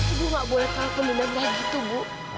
ibu nggak boleh kalau pendendam kayak gitu bu